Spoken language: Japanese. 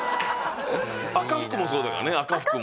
赤福もそうだよね赤福も。